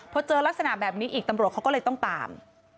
พอเจอลักษณะแบบนี้อีกตำรวจเขาก็เลยต้องตาม